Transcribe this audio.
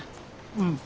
うん。